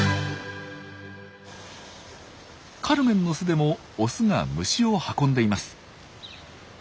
カルメンの巣でもオスが虫を運んでいます。